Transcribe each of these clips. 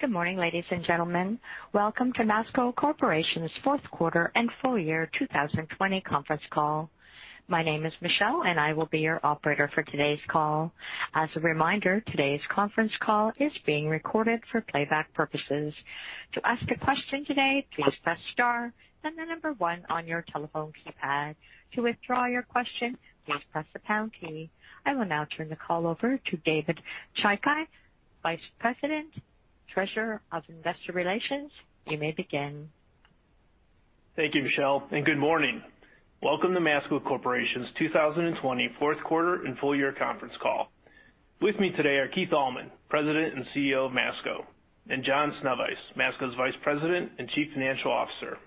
Good morning, ladies and gentlemen. Welcome to Masco Corporation's fourth quarter and full year 2020 conference call. My name is Michelle, and I will be your operator for today's call. As a reminder, today's conference call is being recorded for playback purposes. To ask a question today, please press star then the number one on your telephone keypad. To withdraw your question, please press the pound key. I will now turn the call over to David Chaika, Vice President, Treasurer of Investor Relations. You may begin. Thank you, Michelle, and good morning. Welcome to Masco Corporation's 2020 fourth quarter and full year conference call. With me today are Keith Allman, President and CEO of Masco, and John Sznewajs, Masco's Vice President and Chief Financial Officer.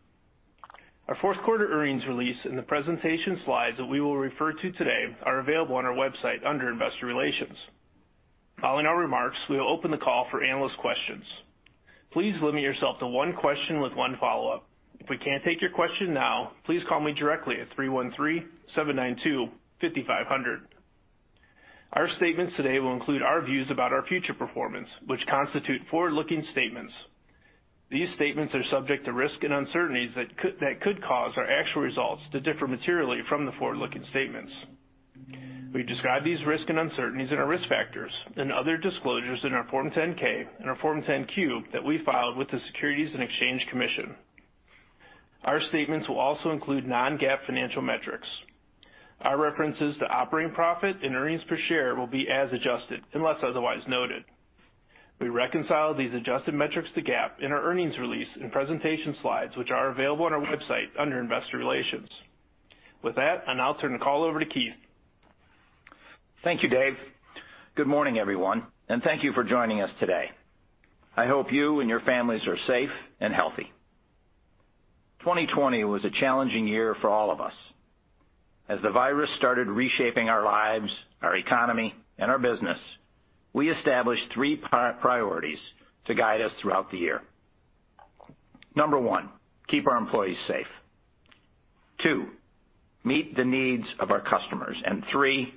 Our fourth quarter earnings release and the presentation slides that we will refer to today are available on our website under investor relations. Following our remarks, we will open the call for analyst questions. Please limit yourself to one question with one follow-up. If we can't take your question now, please call me directly at 313-792-5500. Our statements today will include our views about our future performance, which constitute forward-looking statements. These statements are subject to risks and uncertainties that could cause our actual results to differ materially from the forward-looking statements. We describe these risks and uncertainties in our risk factors and other disclosures in our Form 10-K and our Form 10-Q that we filed with the Securities and Exchange Commission. Our statements will also include non-GAAP financial metrics. Our references to operating profit and earnings per share will be as adjusted unless otherwise noted. We reconcile these adjusted metrics to GAAP in our earnings release and presentation slides, which are available on our website under investor relations. With that, I'll now turn the call over to Keith. Thank you, Dave. Good morning, everyone, thank you for joining us today. I hope you and your families are safe and healthy. 2020 was a challenging year for all of us. As the virus started reshaping our lives, our economy, and our business, we established three priorities to guide us throughout the year. Number one, keep our employees safe. Two, meet the needs of our customers, three,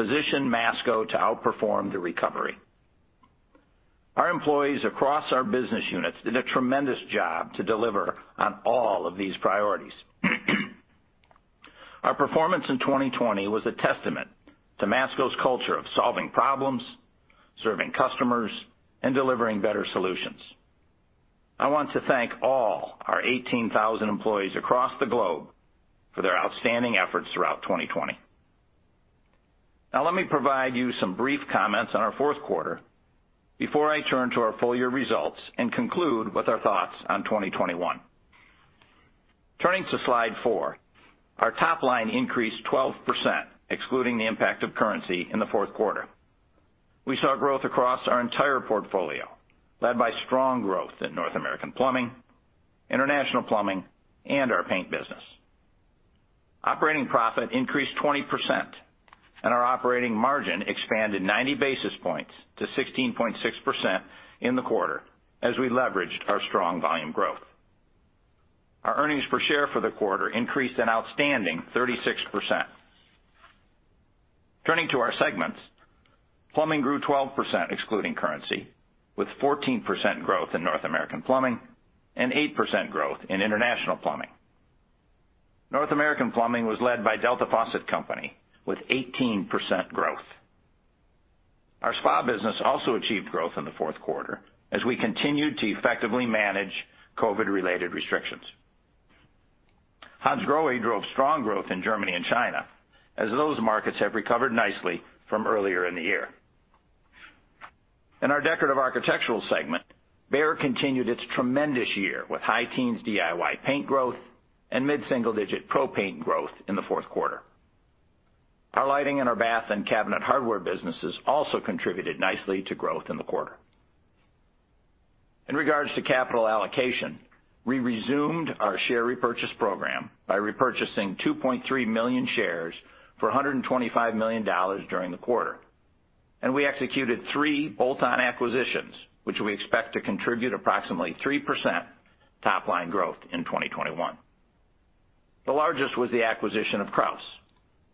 position Masco to outperform the recovery. Our employees across our business units did a tremendous job to deliver on all of these priorities. Our performance in 2020 was a testament to Masco's culture of solving problems, serving customers, and delivering better solutions. I want to thank all our 18,000 employees across the globe for their outstanding efforts throughout 2020. Now let me provide you some brief comments on our fourth quarter before I turn to our full-year results and conclude with our thoughts on 2021. Turning to slide four, our top line increased 12%, excluding the impact of currency in the fourth quarter. We saw growth across our entire portfolio, led by strong growth in North American Plumbing, International Plumbing, and our paint business. Operating profit increased 20%, and our operating margin expanded 90 basis points to 16.6% in the quarter as we leveraged our strong volume growth. Our earnings per share for the quarter increased an outstanding 36%. Turning to our segments, Plumbing grew 12%, excluding currency, with 14% growth in North American Plumbing and 8% growth in International Plumbing. North American Plumbing was led by Delta Faucet Company with 18% growth. Our spa business also achieved growth in the fourth quarter as we continued to effectively manage COVID-related restrictions. Hansgrohe drove strong growth in Germany and China, as those markets have recovered nicely from earlier in the year. In our Decorative Architectural segment, BEHR continued its tremendous year with high teens DIY paint growth and mid-single-digit pro paint growth in the fourth quarter. Our lighting and our bath and cabinet hardware businesses also contributed nicely to growth in the quarter. In regards to capital allocation, we resumed our share repurchase program by repurchasing 2.3 million shares for $125 million during the quarter. We executed three bolt-on acquisitions, which we expect to contribute approximately 3% top-line growth in 2021. The largest was the acquisition of Kraus,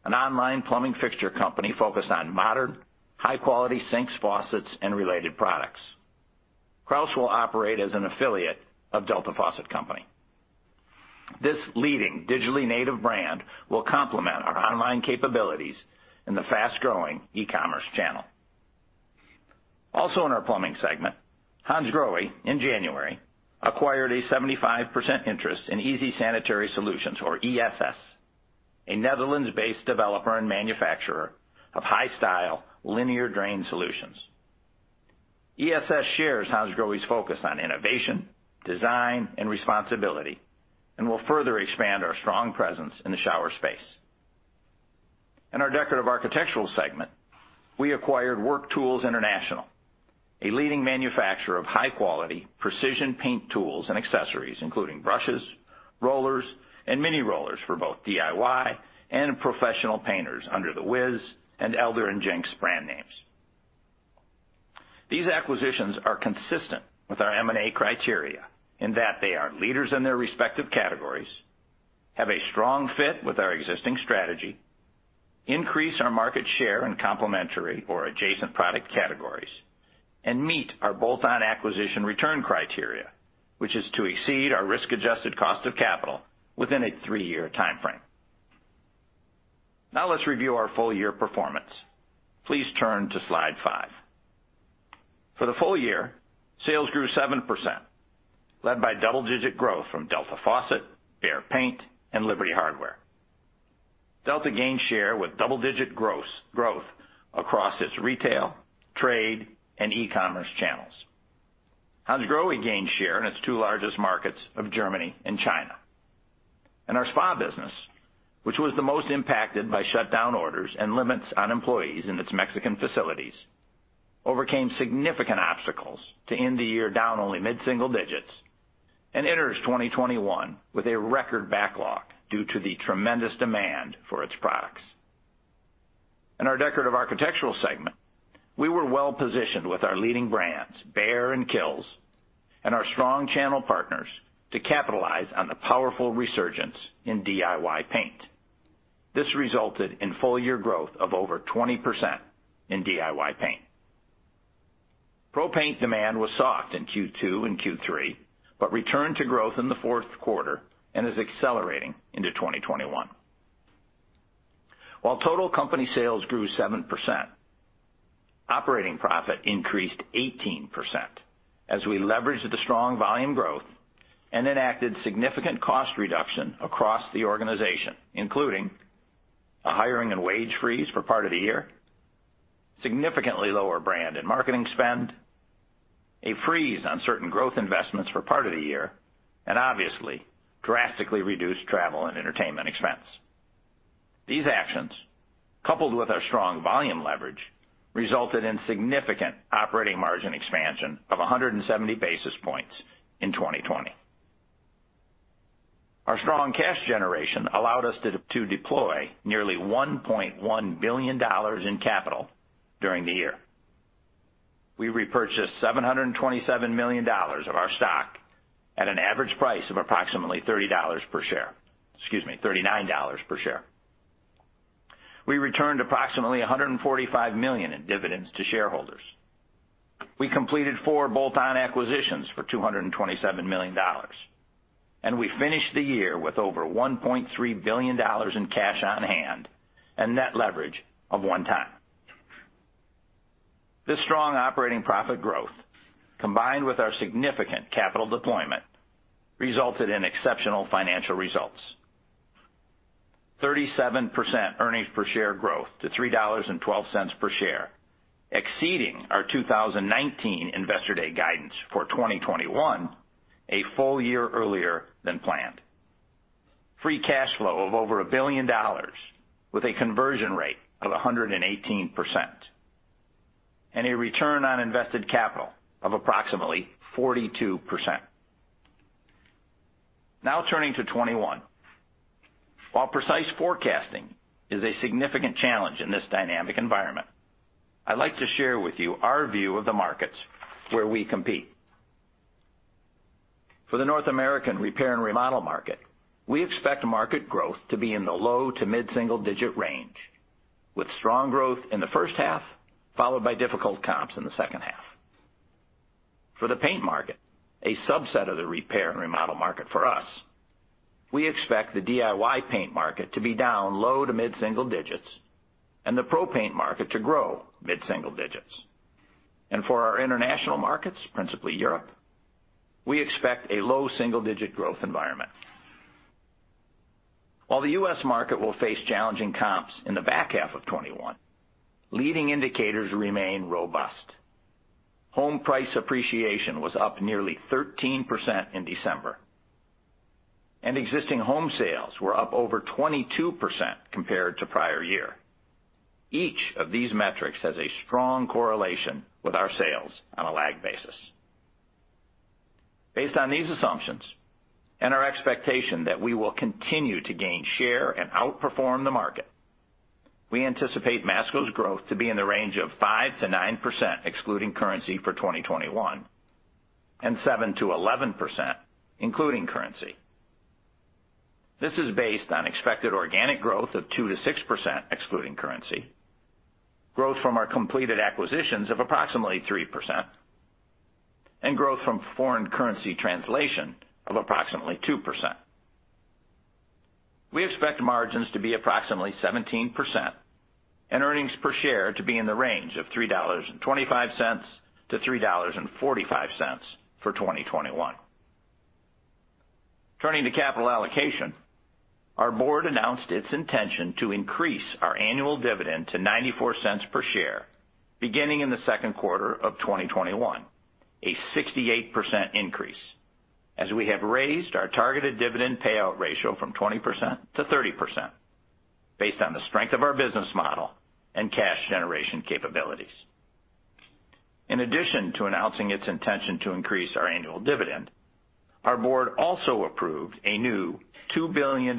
an online plumbing fixture company focused on modern, high-quality sinks, faucets, and related products. Kraus will operate as an affiliate of Delta Faucet Company. This leading digitally native brand will complement our online capabilities in the fast-growing e-commerce channel. In our plumbing segment, Hansgrohe, in January, acquired a 75% interest in Easy Sanitary Solutions, or ESS, a Netherlands-based developer and manufacturer of high-style linear drain solutions. ESS shares Hansgrohe's focus on innovation, design, and responsibility and will further expand our strong presence in the shower space. In our Decorative Architectural segment, we acquired Work Tools International, a leading manufacturer of high-quality, precision paint tools and accessories, including brushes, rollers, and mini rollers for both DIY and professional painters under the Whizz and Elder & Jenks brand names. These acquisitions are consistent with our M&A criteria in that they are leaders in their respective categories, have a strong fit with our existing strategy, increase our market share in complementary or adjacent product categories, and meet our bolt-on acquisition return criteria, which is to exceed our risk-adjusted cost of capital within a three-year timeframe. Let's review our full year performance. Please turn to slide five. For the full year, sales grew 7%, led by double-digit growth from Delta Faucet, BEHR Paint, and Liberty Hardware. Delta gained share with double-digit growth across its retail, trade, and e-commerce channels. Hansgrohe gained share in its two largest markets of Germany and China. Our spa business, which was the most impacted by shutdown orders and limits on employees in its Mexican facilities, overcame significant obstacles to end the year down only mid-single digits, and enters 2021 with a record backlog due to the tremendous demand for its products. In our Decorative Architectural segment, we were well-positioned with our leading brands, BEHR and KILZ, and our strong channel partners to capitalize on the powerful resurgence in DIY paint. This resulted in full-year growth of over 20% in DIY paint. Pro paint demand was soft in Q2 and Q3, but returned to growth in the fourth quarter and is accelerating into 2021. While total company sales grew 7%, operating profit increased 18% as we leveraged the strong volume growth and enacted significant cost reduction across the organization, including a hiring and wage freeze for part of the year, significantly lower brand and marketing spend, a freeze on certain growth investments for part of the year, and obviously, drastically reduced travel and entertainment expense. These actions, coupled with our strong volume leverage, resulted in significant operating margin expansion of 170 basis points in 2020. Our strong cash generation allowed us to deploy nearly $1.1 billion in capital during the year. We repurchased $727 million of our stock at an average price of approximately $30 per share. Excuse me, $39 per share. We returned approximately $145 million in dividends to shareholders. We completed four bolt-on acquisitions for $227 million. We finished the year with over $1.3 billion in cash on hand and net leverage of 1x. This strong operating profit growth, combined with our significant capital deployment, resulted in exceptional financial results. 37% earnings per share growth to $3.12 per share, exceeding our 2019 Investor Day guidance for 2021, a full year earlier than planned. Free cash flow of over $1 billion with a conversion rate of 118%. A return on invested capital of approximately 42%. Turning to 2021. While precise forecasting is a significant challenge in this dynamic environment, I'd like to share with you our view of the markets where we compete. For the North American repair and remodel market, we expect market growth to be in the low to mid-single digit range, with strong growth in the first half, followed by difficult comps in the second half. For the paint market, a subset of the repair and remodel market for us, we expect the DIY paint market to be down low-to-mid single digits, and the pro paint market to grow mid-single digits. For our international markets, principally Europe, we expect a low double-digit growth environment. While the U.S. market will face challenging comps in the back half of 2021, leading indicators remain robust. Home price appreciation was up nearly 13% in December. Existing home sales were up over 22% compared to prior year. Each of these metrics has a strong correlation with our sales on a lag basis. Based on these assumptions and our expectation that we will continue to gain share and outperform the market, we anticipate Masco's growth to be in the range of 5%-9%, excluding currency for 2021, and 7%-11%, including currency. This is based on expected organic growth of 2%-6%, excluding currency, growth from our completed acquisitions of approximately 3%, and growth from foreign currency translation of approximately 2%. We expect margins to be approximately 17% and earnings per share to be in the range of $3.25-$3.45 for 2021. Turning to capital allocation, our board announced its intention to increase our annual dividend to $0.94 per share, beginning in the second quarter of 2021, a 68% increase, as we have raised our targeted dividend payout ratio from 20%-30%, based on the strength of our business model and cash generation capabilities. In addition to announcing its intention to increase our annual dividend, our board also approved a new $2 billion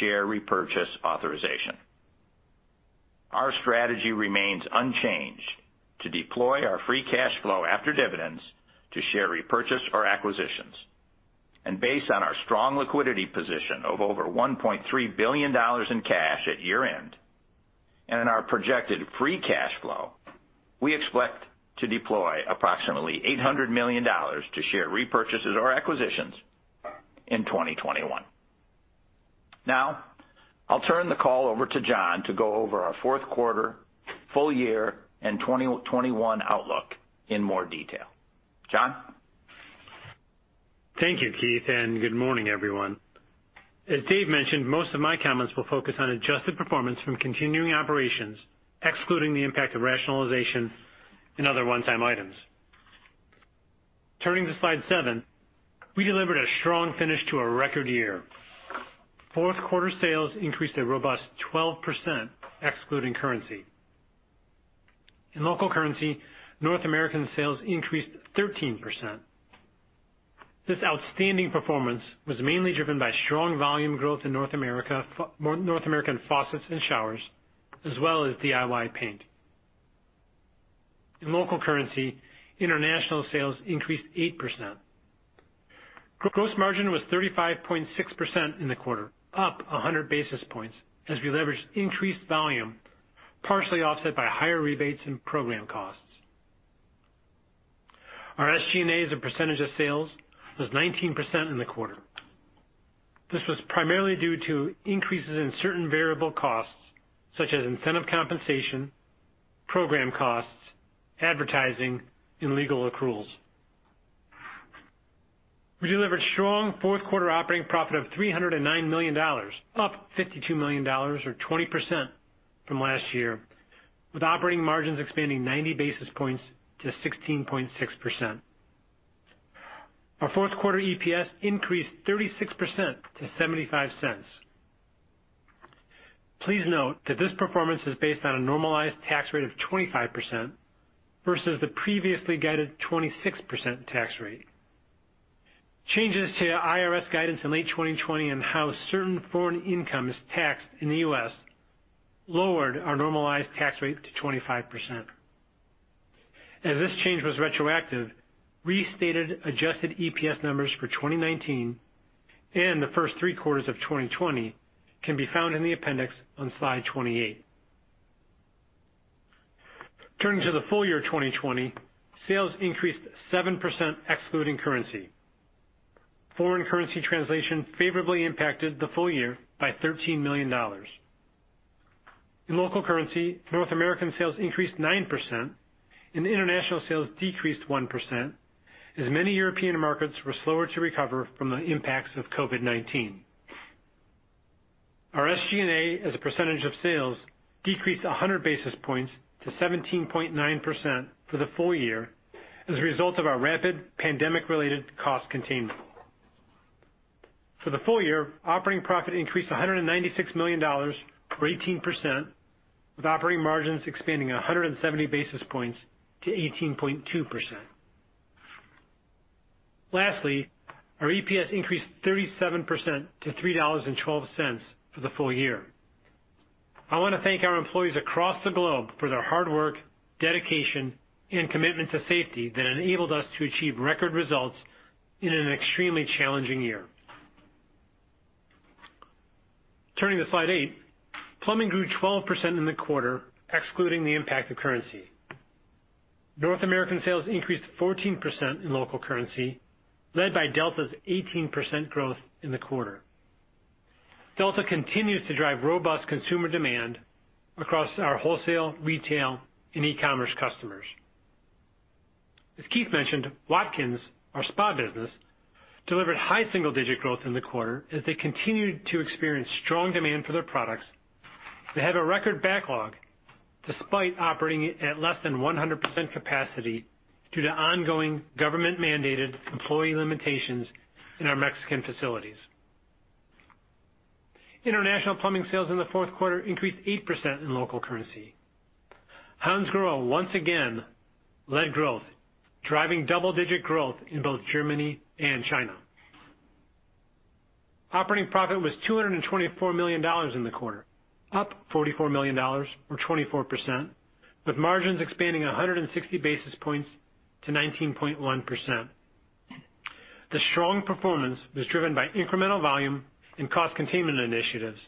share repurchase authorization. Our strategy remains unchanged to deploy our free cash flow after dividends to share repurchase or acquisitions. Based on our strong liquidity position of over $1.3 billion in cash at year-end, and in our projected free cash flow, we expect to deploy approximately $800 million to share repurchases or acquisitions in 2021. Now, I'll turn the call over to John to go over our fourth quarter, full year, and 2021 outlook in more detail. John? Thank you, Keith, and good morning, everyone. As Dave mentioned, most of my comments will focus on adjusted performance from continuing operations, excluding the impact of rationalization and other one-time items. Turning to slide seven, we delivered a strong finish to a record year. Fourth quarter sales increased a robust 12%, excluding currency. In local currency, North American sales increased 13%. This outstanding performance was mainly driven by strong volume growth in North American faucets and showers, as well as DIY paint. In local currency, international sales increased 8%. Gross margin was 35.6% in the quarter, up 100 basis points as we leveraged increased volume, partially offset by higher rebates and program costs. Our SG&A as a % of sales was 19% in the quarter. This was primarily due to increases in certain variable costs, such as incentive compensation, program costs, advertising, and legal accruals. We delivered strong fourth quarter operating profit of $309 million, up $52 million or 20% from last year, with operating margins expanding 90 basis points to 16.6%. Our fourth quarter EPS increased 36% to $0.75. Please note that this performance is based on a normalized tax rate of 25% versus the previously guided 26% tax rate. Changes to IRS guidance in late 2020 on how certain foreign income is taxed in the U.S. lowered our normalized tax rate to 25%. As this change was retroactive, restated adjusted EPS numbers for 2019 and the first three quarters of 2020 can be found in the appendix on slide 28. Turning to the full year 2020, sales increased 7%, excluding currency. Foreign currency translation favorably impacted the full year by $13 million. In local currency, North American sales increased 9% and international sales decreased 1%, as many European markets were slower to recover from the impacts of COVID-19. Our SG&A as a % of sales decreased 100 basis points to 17.9% for the full year as a result of our rapid pandemic-related cost containment. For the full year, operating profit increased $196 million or 18%, with operating margins expanding 170 basis points to 18.2%. Lastly, our EPS increased 37% to $3.12 for the full year. I want to thank our employees across the globe for their hard work, dedication, and commitment to safety that enabled us to achieve record results in an extremely challenging year. Turning to slide eight, Plumbing grew 12% in the quarter, excluding the impact of currency. North American sales increased 14% in local currency, led by Delta's 18% growth in the quarter. Delta continues to drive robust consumer demand across our wholesale, retail, and e-commerce customers. As Keith mentioned, Watkins, our spa business, delivered high single-digit growth in the quarter as they continued to experience strong demand for their products. They have a record backlog despite operating at less than 100% capacity due to ongoing government-mandated employee limitations in our Mexican facilities. International plumbing sales in the fourth quarter increased 8% in local currency. Hansgrohe once again led growth, driving double-digit growth in both Germany and China. Operating profit was $224 million in the quarter, up $44 million or 24%, with margins expanding 160 basis points to 19.1%. The strong performance was driven by incremental volume and cost containment initiatives,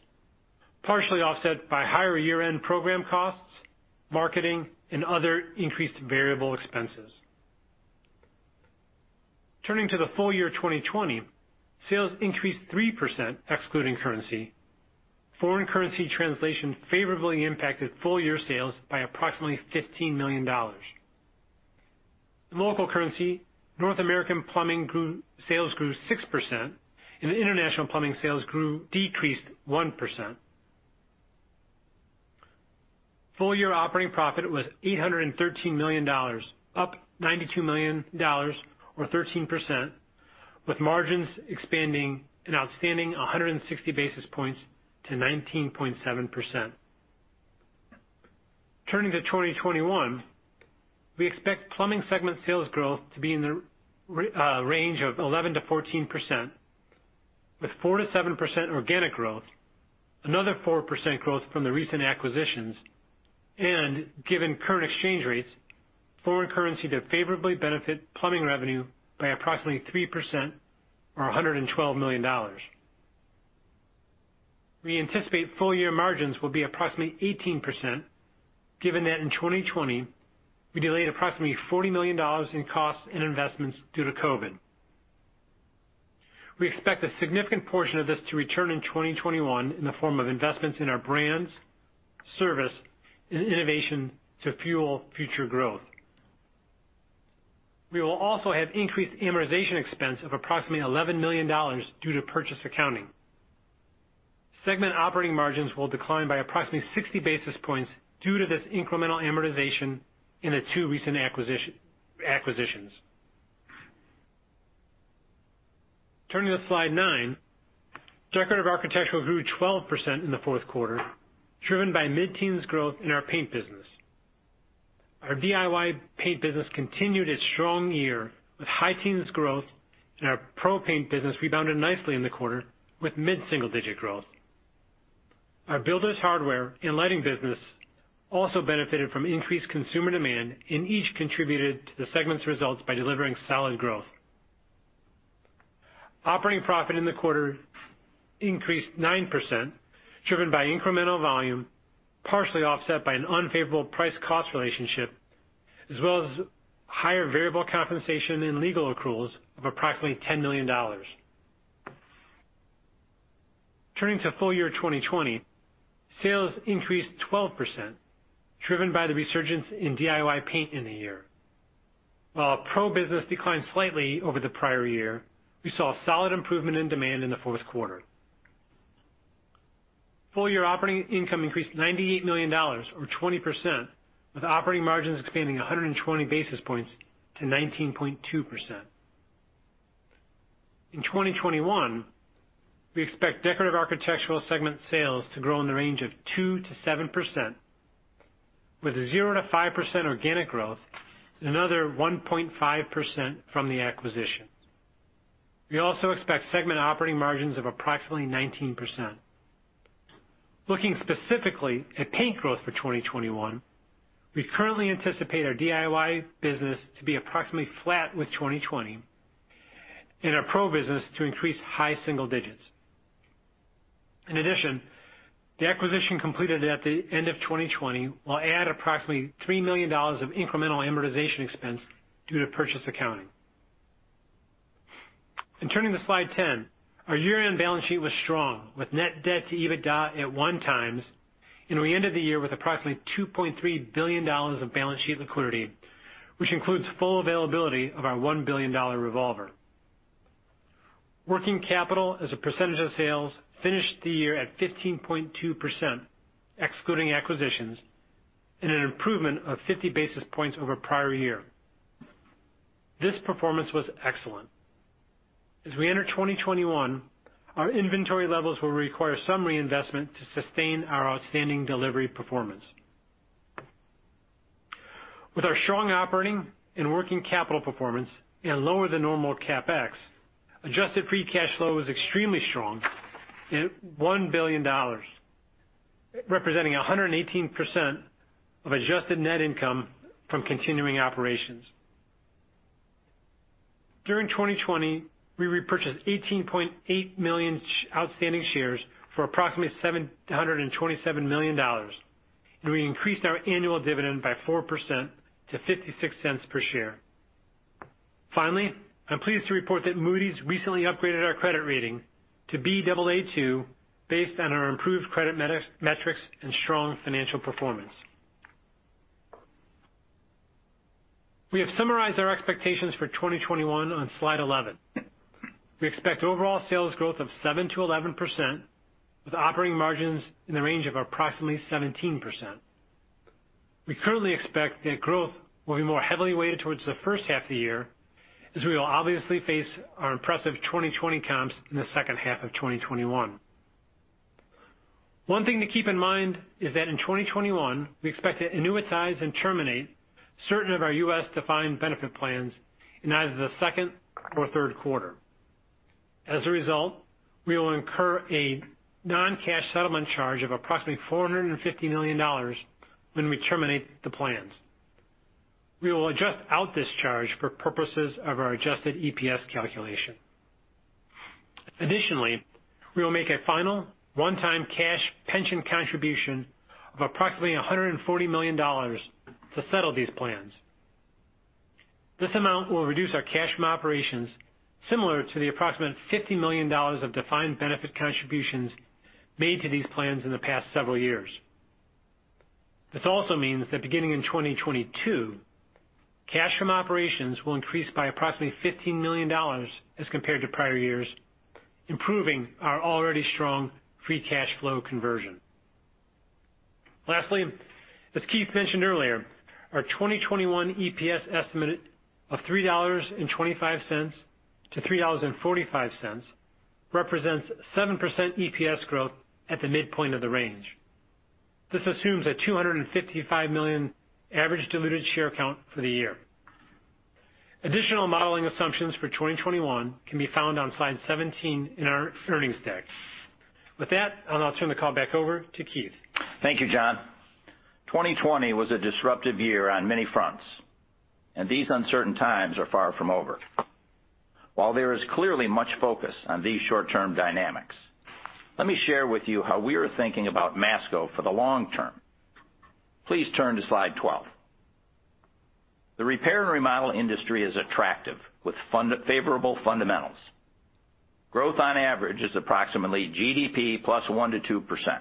partially offset by higher year-end program costs, marketing, and other increased variable expenses. Turning to the full year 2020, sales increased 3%, excluding currency. Foreign currency translation favorably impacted full-year sales by approximately $15 million. In local currency, North American plumbing sales grew 6%. The international plumbing sales decreased 1%. Full-year operating profit was $813 million, up $92 million or 13%, with margins expanding an outstanding 160 basis points to 19.7%. Turning to 2021, we expect Plumbing segment sales growth to be in the range of 11%-14% with 4%-7% organic growth, another 4% growth from the recent acquisitions. Given current exchange rates, foreign currency to favorably benefit plumbing revenue by approximately 3% or $112 million. We anticipate full-year margins will be approximately 18%, given that in 2020, we delayed approximately $40 million in costs and investments due to COVID. We expect a significant portion of this to return in 2021 in the form of investments in our brands, service, and innovation to fuel future growth. We will also have increased amortization expense of approximately $11 million due to purchase accounting. Segment operating margins will decline by approximately 60 basis points due to this incremental amortization in the two recent acquisitions. Turning to slide nine. Decorative Architectural grew 12% in the fourth quarter, driven by mid-teens growth in our paint business. Our DIY paint business continued its strong year with high teens growth, and our pro-paint business rebounded nicely in the quarter with mid-single-digit growth. Our builders hardware and lighting business also benefited from increased consumer demand and each contributed to the segment's results by delivering solid growth. Operating profit in the quarter increased 9%, driven by incremental volume, partially offset by an unfavorable price-cost relationship, as well as higher variable compensation and legal accruals of approximately $10 million. Turning to full year 2020, sales increased 12%, driven by the resurgence in DIY paint in the year. While our pro business declined slightly over the prior year, we saw solid improvement in demand in the fourth quarter. Full-year operating income increased $98 million or 20%, with operating margins expanding 120 basis points to 19.2%. In 2021, we expect Decorative Architectural segment sales to grow in the range of 2%-7%, with 0%-5% organic growth and another 1.5% from the acquisition. We also expect segment operating margins of approximately 19%. Looking specifically at paint growth for 2021, we currently anticipate our DIY business to be approximately flat with 2020 and our pro business to increase high single digits. In addition, the acquisition completed at the end of 2020 will add approximately $3 million of incremental amortization expense due to purchase accounting. Turning to slide 10, our year-end balance sheet was strong, with net debt to EBITDA at 1x and we ended the year with approximately $2.3 billion of balance sheet liquidity, which includes full availability of our $1 billion revolver. Working capital as a % of sales finished the year at 15.2%, excluding acquisitions, and an improvement of 50 basis points over prior year. This performance was excellent. As we enter 2021, our inventory levels will require some reinvestment to sustain our outstanding delivery performance. With our strong operating and working capital performance and lower than normal CapEx, adjusted free cash flow was extremely strong at $1 billion, representing 118% of adjusted net income from continuing operations. During 2020, we repurchased 18.8 million outstanding shares for approximately $727 million, and we increased our annual dividend by 4% to $0.56 per share. Finally, I'm pleased to report that Moody's recently upgraded our credit rating to Baa2 based on our improved credit metrics and strong financial performance. We have summarized our expectations for 2021 on slide 11. We expect overall sales growth of 7%-11%, with operating margins in the range of approximately 17%. We currently expect that growth will be more heavily weighted towards the first half of the year, as we will obviously face our impressive 2020 comps in the second half of 2021. One thing to keep in mind is that in 2021, we expect to annuitize and terminate certain of our U.S. defined benefit plans in either the second or third quarter. As a result, we will incur a non-cash settlement charge of approximately $450 million when we terminate the plans. We will adjust out this charge for purposes of our adjusted EPS calculation. Additionally, we will make a final one-time cash pension contribution of approximately $140 million to settle these plans. This amount will reduce our cash from operations, similar to the approximate $50 million of defined benefit contributions made to these plans in the past several years. This also means that beginning in 2022, cash from operations will increase by approximately $15 million as compared to prior years, improving our already strong free cash flow conversion. Lastly, as Keith mentioned earlier, our 2021 EPS estimate of $3.25-$3.45 represents 7% EPS growth at the midpoint of the range. This assumes a 255 million average diluted share count for the year. Additional modeling assumptions for 2021 can be found on slide 17 in our earnings deck. With that, I'll now turn the call back over to Keith. Thank you, John. 2020 was a disruptive year on many fronts, and these uncertain times are far from over. While there is clearly much focus on these short-term dynamics, let me share with you how we are thinking about Masco for the long term. Please turn to slide 12. The repair and remodel industry is attractive, with favorable fundamentals. Growth on average is approximately GDP plus 1%-2%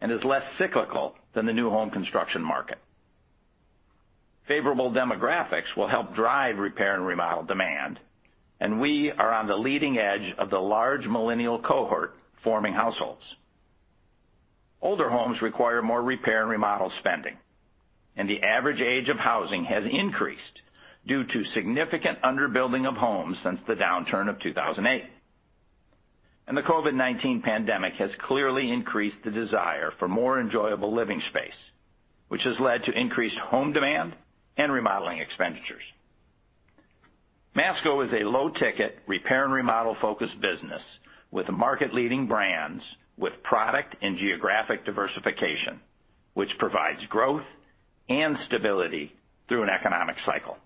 and is less cyclical than the new home construction market. Favorable demographics will help drive repair and remodel demand, and we are on the leading edge of the large millennial cohort forming households. Older homes require more repair and remodel spending, and the average age of housing has increased due to significant under-building of homes since the downturn of 2008. The COVID-19 pandemic has clearly increased the desire for more enjoyable living space, which has led to increased home demand and remodeling expenditures. Masco is a low-ticket, repair-and-remodel-focused business with market-leading brands, with product and geographic diversification, which provides growth and stability through an economic cycle.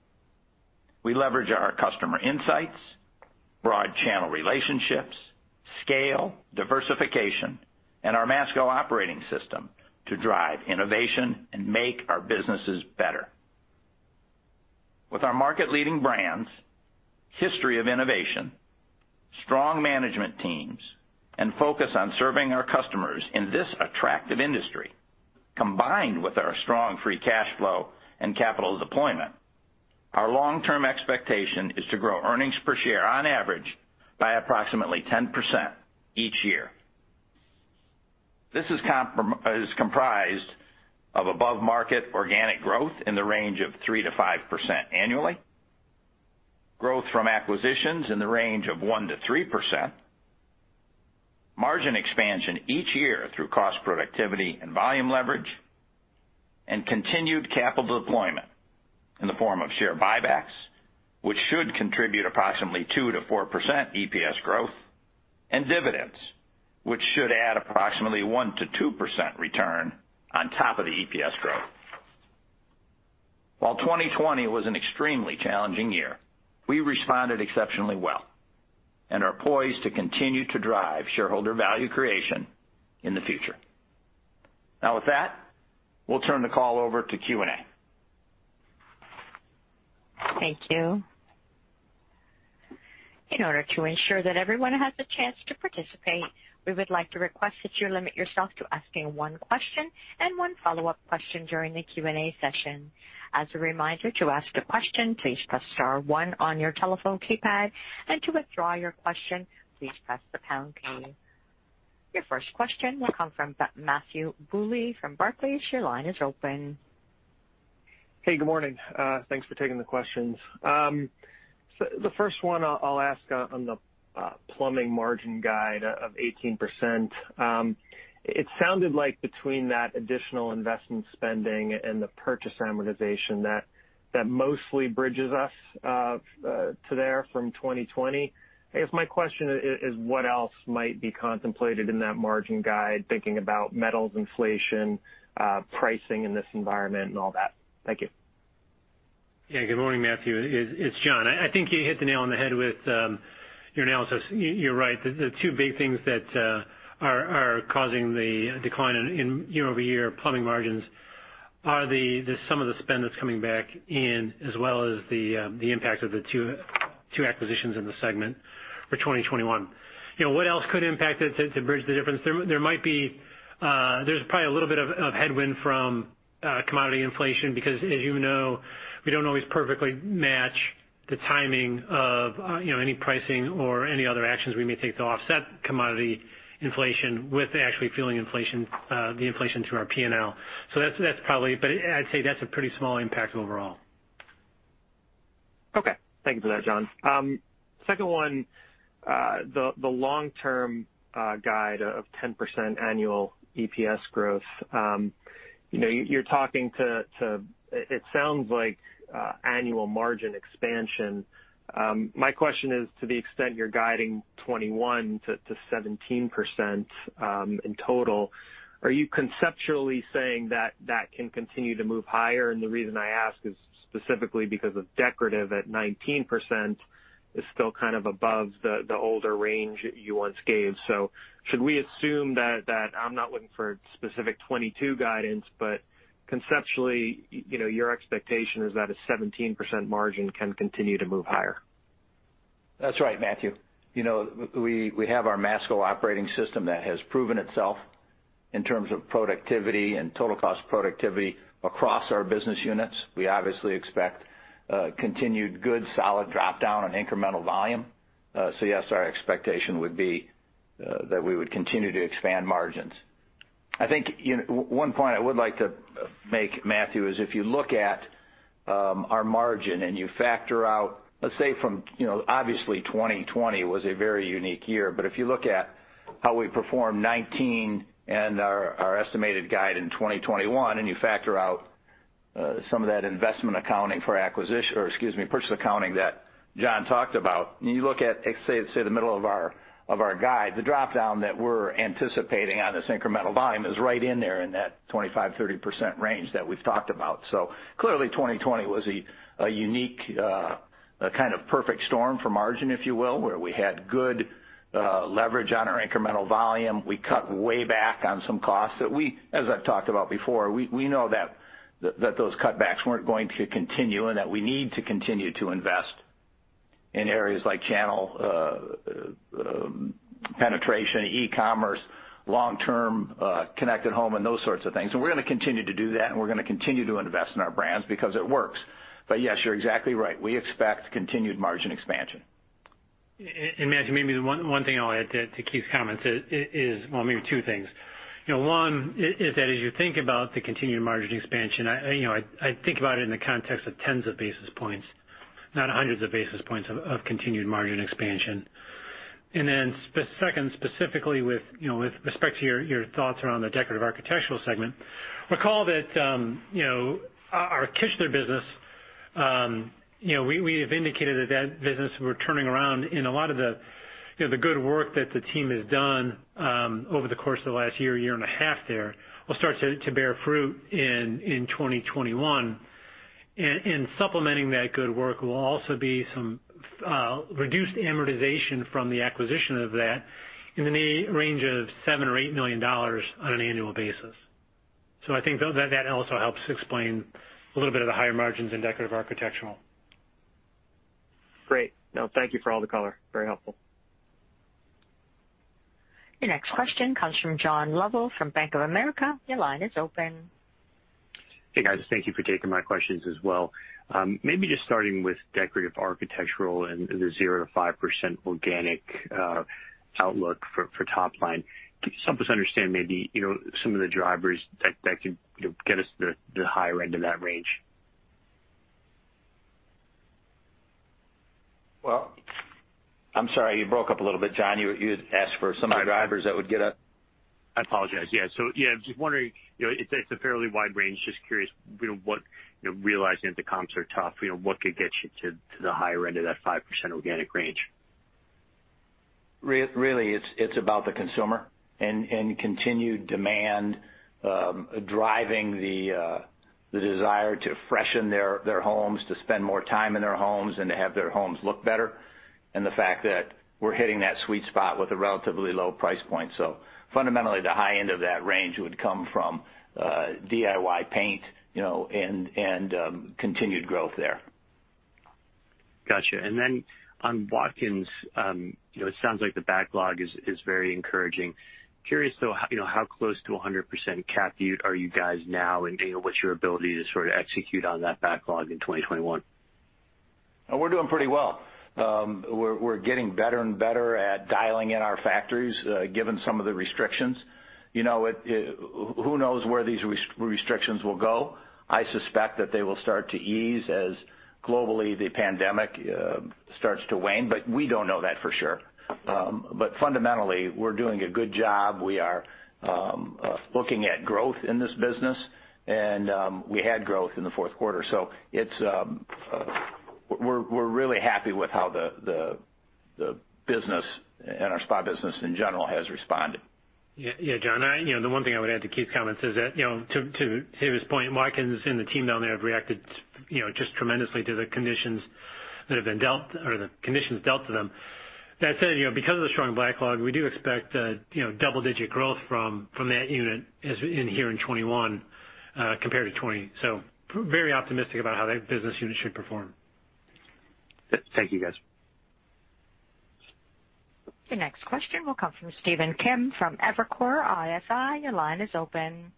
We leverage our customer insights, broad channel relationships, scale, diversification, and our Masco Operating System to drive innovation and make our businesses better. With our market-leading brands, history of innovation, strong management teams, and focus on serving our customers in this attractive industry, combined with our strong free cash flow and capital deployment, our long-term expectation is to grow earnings per share on average by approximately 10% each year. This is comprised of above-market organic growth in the range of 3%-5% annually, growth from acquisitions in the range of 1%-3%, margin expansion each year through cost productivity and volume leverage, and continued capital deployment in the form of share buybacks, which should contribute approximately 2%-4% EPS growth, and dividends, which should add approximately 1%-2% return on top of the EPS growth. While 2020 was an extremely challenging year, we responded exceptionally well and are poised to continue to drive shareholder value creation in the future. Now with that, we'll turn the call over to Q&A. Thank you. In order to ensure that everyone has a chance to participate, we would like to request that you limit yourself to asking one question and one follow-up question during the Q&A session. As a reminder, to ask a question, please press star one on your telephone keypad, and to withdraw your question, please press the pound key. Your first question will come from Matthew Bouley from Barclays. Your line is open. Hey, good morning. Thanks for taking the questions. The first one I'll ask on the plumbing margin guide of 18%. It sounded like between that additional investment spending and the purchase amortization, that mostly bridges us to there from 2020. I guess my question is what else might be contemplated in that margin guide, thinking about metals inflation, pricing in this environment and all that? Thank you. Good morning, Matthew. It's John. I think you hit the nail on the head with your analysis. You're right. The two big things that are causing the decline in year-over-year plumbing margins are the sum of the spend that's coming back in as well as the impact of the two acquisitions in the segment for 2021. What else could impact it to bridge the difference? There's probably a little bit of headwind from commodity inflation, because as you know, we don't always perfectly match the timing of any pricing or any other actions we may take to offset commodity inflation with actually feeling the inflation to our P&L. I'd say that's a pretty small impact overall. Okay. Thank you for that, John. Second one, the long-term guide of 10% annual EPS growth. It sounds like annual margin expansion. My question is, to the extent you're guiding 2021 to 17% in total, are you conceptually saying that can continue to move higher? The reason I ask is specifically because of Decorative at 19% is still kind of above the older range you once gave. Should we assume that I'm not looking for specific 2022 guidance, but conceptually, your expectation is that a 17% margin can continue to move higher. That's right, Matthew. We have our Masco Operating System that has proven itself in terms of productivity and total cost productivity across our business units. We obviously expect continued good, solid drop-down on incremental volume. Yes, our expectation would be that we would continue to expand margins. I think one point I would like to make, Matthew, is if you look at our margin and you factor out, let's say from obviously 2020 was a very unique year, if you look at how we performed 2019 and our estimated guide in 2021, and you factor out some of that investment accounting for acquisition, or excuse me, purchase accounting that John talked about. You look at, say, the middle of our guide, the dropdown that we're anticipating on this incremental volume is right in there in that 25%-30% range that we've talked about. Clearly 2020 was a unique kind of perfect storm for margin, if you will, where we had good leverage on our incremental volume. We cut way back on some costs that we, as I've talked about before, we know that those cutbacks weren't going to continue and that we need to continue to invest in areas like channel penetration, e-commerce, long-term connected home and those sorts of things. We're going to continue to do that, and we're going to continue to invest in our brands because it works. Yes, you're exactly right. We expect continued margin expansion. Matthew, maybe the one thing I'll add to Keith's comment. Maybe two things. One is that as you think about the continued margin expansion, I think about it in the context of tens of basis points, not 100s of basis points of continued margin expansion. Second, specifically with respect to your thoughts around the Decorative Architectural segment, recall that our Kichler business, we have indicated that business we're turning around in a lot of the good work that the team has done over the course of the last year and a half there, will start to bear fruit in 2021. Supplementing that good work will also be some reduced amortization from the acquisition of that in the range of $7 million or $8 million on an annual basis. I think that also helps explain a little bit of the higher margins in Decorative Architectural. Great. No, thank you for all the color. Very helpful. Your next question comes from John Lovallo from Bank of America. Your line is open. Hey, guys. Thank you for taking my questions as well. Maybe just starting with Decorative Architectural and the 0%-5% organic outlook for top line. Could you help us understand maybe some of the drivers that could get us to the higher end of that range? Well, I'm sorry, you broke up a little bit, John. You had asked for some of the drivers that would get us. I apologize. Yeah. Yeah, I was just wondering, it's a fairly wide range. Just curious, realizing that the comps are tough, what could get you to the higher end of that 5% organic range? Really, it's about the consumer and continued demand driving the desire to freshen their homes, to spend more time in their homes, and to have their homes look better. The fact that we're hitting that sweet spot with a relatively low price point. Fundamentally, the high end of that range would come from DIY paint and continued growth there. Got you. On Watkins, it sounds like the backlog is very encouraging. Curious though, how close to 100% capped are you guys now? What's your ability to sort of execute on that backlog in 2021? We're doing pretty well. We're getting better and better at dialing in our factories, given some of the restrictions. Who knows where these restrictions will go? I suspect that they will start to ease as globally the pandemic starts to wane, but we don't know that for sure. But fundamentally, we're doing a good job. We are looking at growth in this business, and we had growth in the fourth quarter. We're really happy with how the business and our spa business in general has responded. Yeah. John, the one thing I would add to Keith's comments is that, to his point, Watkins and the team down there have reacted just tremendously to the conditions that have been dealt or the conditions dealt to them. That said, because of the strong backlog, we do expect double-digit growth from that unit in here in 2021 compared to 2020. Very optimistic about how that business unit should perform. Thank you, guys. Your next question will come from Stephen Kim from Evercore ISI. Your line is open.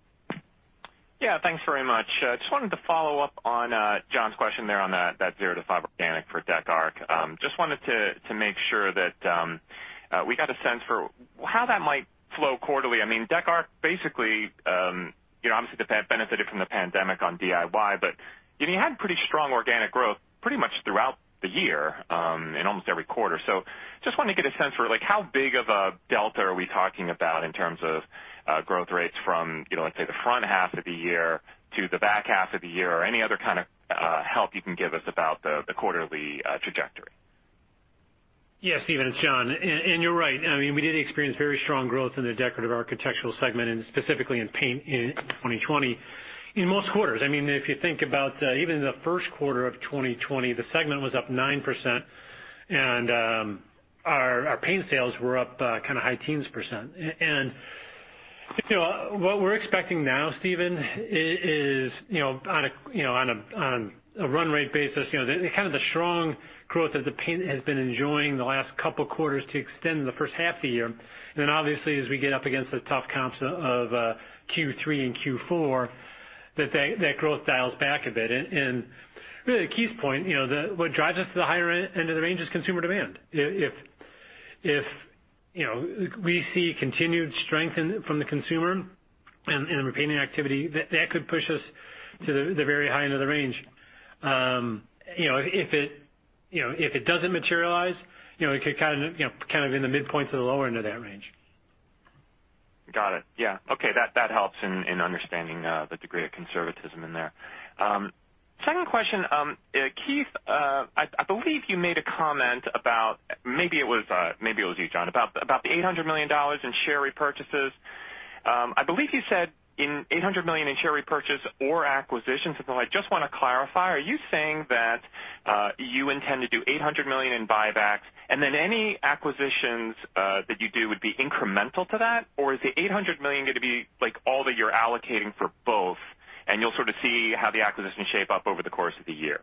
Thanks very much. Just wanted to follow up on John's question there on that 0%-5% organic for Decorative Architectural. Just wanted to make sure that we got a sense for how that might flow quarterly. I mean, Decorative Architectural basically obviously benefited from the pandemic on DIY. You had pretty strong organic growth pretty much throughout the year in almost every quarter. Just wanted to get a sense for how big of a delta are we talking about in terms of growth rates from, let's say the front half of the year to the back half of the year, or any other kind of help you can give us about the quarterly trajectory. Yeah, Stephen, it's John. You're right. We did experience very strong growth in the Decorative Architectural segment, and specifically in paint in 2020 in most quarters. If you think about even the first quarter of 2020, the segment was up 9%, and our paint sales were up kind of high teens %. What we're expecting now, Stephen, is on a run rate basis, kind of the strong growth that the paint has been enjoying the last couple quarters to extend the first half of the year. Obviously as we get up against the tough comps of Q3 and Q4, that growth dials back a bit. Really Keith's point, what drives us to the higher end of the range is consumer demand. If we see continued strength from the consumer in our painting activity, that could push us to the very high end of the range. If it doesn't materialize, it could kind of in the midpoint to the lower end of that range. Got it. Yeah. Okay, that helps in understanding the degree of conservatism in there. Second question. Keith, I believe you made a comment about, maybe it was you, John, about the $800 million in share repurchases. I believe you said in $800 million in share repurchase or acquisitions. I just want to clarify, are you saying that you intend to do $800 million in buybacks, and then any acquisitions that you do would be incremental to that? Is the $800 million going to be all that you're allocating for both, and you'll sort of see how the acquisitions shape up over the course of the year?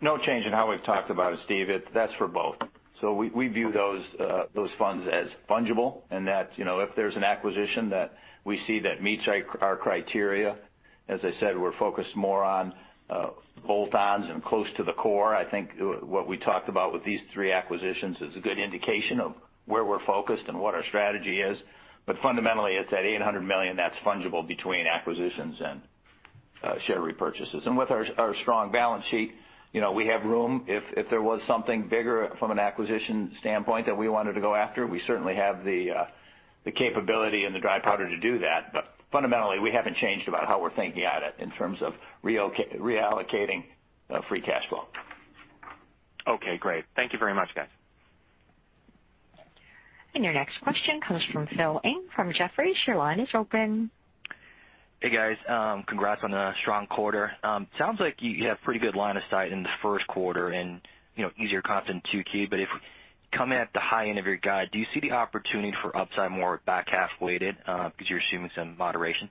No change in how we've talked about it, Stephen. That's for both. We view those funds as fungible, and if there's an acquisition that we see that meets our criteria, as I said, we're focused more on bolt-ons and close to the core. I think what we talked about with these three acquisitions is a good indication of where we're focused and what our strategy is. Fundamentally, it's that $800 million that's fungible between acquisitions and share repurchases. With our strong balance sheet, we have room if there was something bigger from an acquisition standpoint that we wanted to go after. We certainly have the capability and the dry powder to do that, but fundamentally, we haven't changed about how we're thinking at it in terms of reallocating free cash flow. Okay, great. Thank you very much, guys. Your next question comes from Phil Ng from Jefferies. Your line is open. Hey, guys. Congrats on a strong quarter. Sounds like you have pretty good line of sight in the first quarter and easier comp than 2Q. If we come in at the high end of your guide, do you see the opportunity for upside more back half weighted because you're assuming some moderation?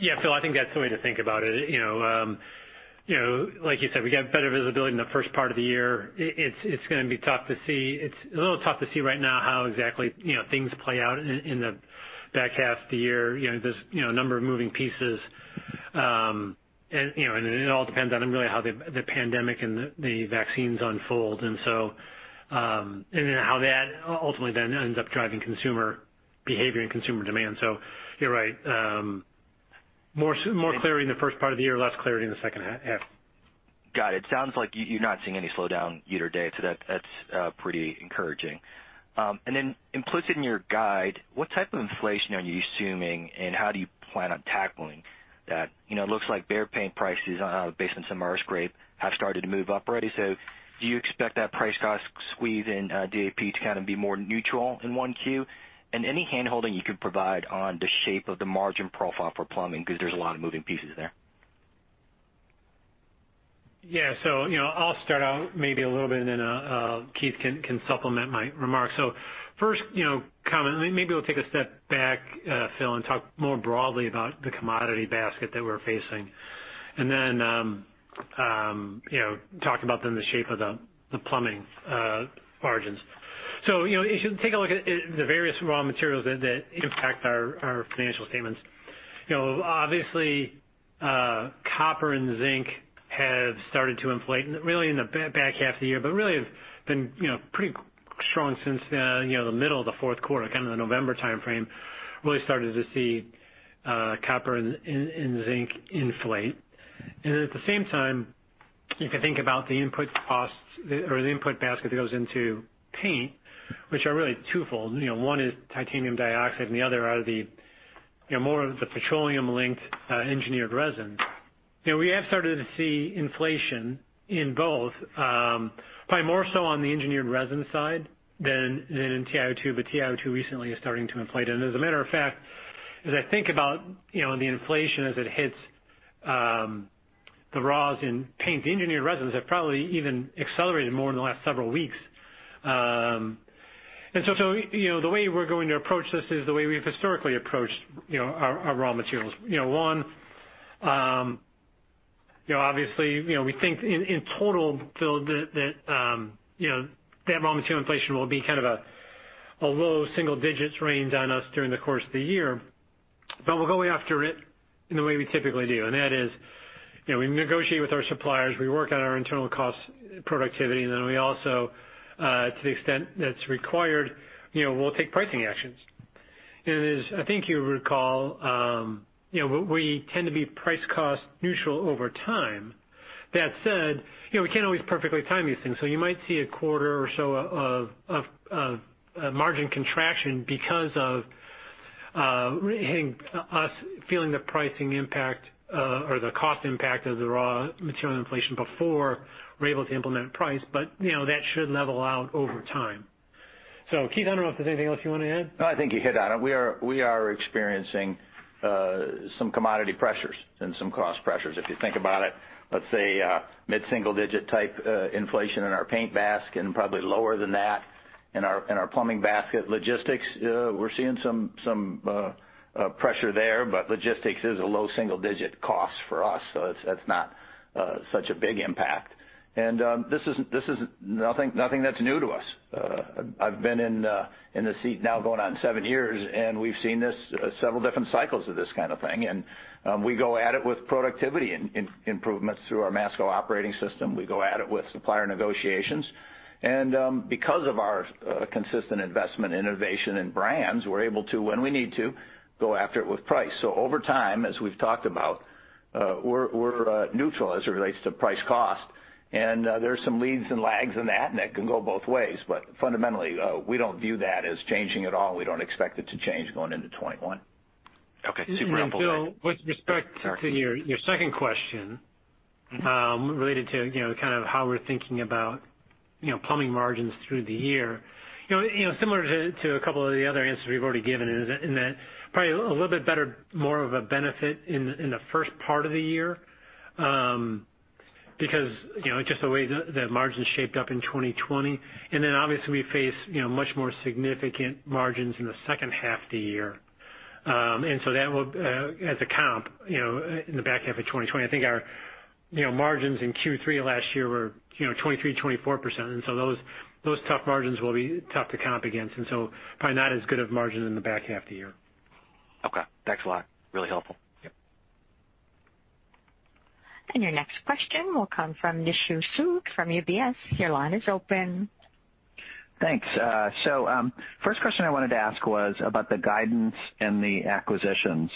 Yeah, Phil, I think that's the way to think about it. Like you said, we got better visibility in the first part of the year. It's a little tough to see right now how exactly things play out in the back half of the year. There's a number of moving pieces. It all depends on really how the pandemic and the vaccines unfold, how that ultimately then ends up driving consumer behavior and consumer demand. You're right. More clarity in the first part of the year, less clarity in the second half. Got it. Sounds like you're not seeing any slowdown year to date, that's pretty encouraging. Implicit in your guide, what type of inflation are you assuming and how do you plan on tackling that? It looks like BEHR paint prices based on some RSMeans have started to move up already. Do you expect that price cost squeeze in DAP to kind of be more neutral in 1Q? Any handholding you could provide on the shape of the margin profile for plumbing, because there's a lot of moving pieces there. Yeah. I'll start out maybe a little bit, and then Keith can supplement my remarks. First, maybe we'll take a step back, Phil, and talk more broadly about the commodity basket that we're facing, and then talk about then the shape of the plumbing margins. If you take a look at the various raw materials that impact our financial statements. Obviously, copper and zinc have started to inflate really in the back half of the year, but really have been pretty strong since the middle of the fourth quarter, kind of the November timeframe, really started to see copper and zinc inflate. At the same time, you can think about the input costs or the input basket that goes into paint, which are really twofold. One is titanium dioxide and the other are more of the petroleum-linked engineered resins. We have started to see inflation in both, probably more so on the engineered resin side than in TiO2, but TiO2 recently is starting to inflate. As a matter of fact, as I think about the inflation as it hits the raws in paint, the engineered resins have probably even accelerated more in the last several weeks. The way we're going to approach this is the way we've historically approached our raw materials. One, obviously, we think in total, Phil, that raw material inflation will be kind of a low single digits range on us during the course of the year, but we'll go after it in the way we typically do. That is, we negotiate with our suppliers, we work on our internal cost productivity, and then we also, to the extent that it's required, we'll take pricing actions. As I think you recall, we tend to be price cost neutral over time. That said, we can't always perfectly time these things. You might see a quarter or so of margin contraction because of us feeling the pricing impact or the cost impact of the raw material inflation before we're able to implement price. That should level out over time. Keith, I don't know if there's anything else you want to add. No, I think you hit on it. We are experiencing some commodity pressures and some cost pressures. If you think about it, let's say mid-single digit type inflation in our paint basket and probably lower than that in our plumbing basket. Logistics, we're seeing some pressure there, but logistics is a low single digit cost for us, so that's not such a big impact. This is nothing that's new to us. I've been in this seat now going on seven years, and we've seen several different cycles of this kind of thing. We go at it with productivity improvements through our Masco Operating System. We go at it with supplier negotiations. Because of our consistent investment in innovation and brands, we're able to, when we need to, go after it with price. Over time, as we've talked about, we're neutral as it relates to price cost, and there's some leads and lags in that, and that can go both ways. Fundamentally, we don't view that as changing at all. We don't expect it to change going into 2021. Okay. Super helpful. Phil, with respect to your second question related to how we're thinking about plumbing margins through the year. Similar to a couple of the other answers we've already given in that probably a little bit better, more of a benefit in the first part of the year, because just the way the margins shaped up in 2020. Then obviously we face much more significant margins in the second half of the year. That will, as a comp, in the back half of 2020, I think our margins in Q3 of last year were 23%-24%. Those tough margins will be tough to comp against. Probably not as good of margin in the back half of the year. Okay. Thanks a lot. Really helpful. Yep. Your next question will come from Nishu Sood from UBS. Your line is open. Thanks. First question I wanted to ask was about the guidance and the acquisitions.